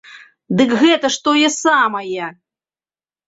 Дык гэта ж тое самае!